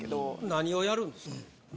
何をやるんですか？